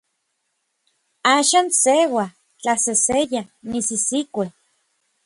Axan seua, tlaseseya, nisisikue.